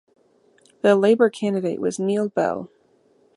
The Labor candidate was Neil Bell.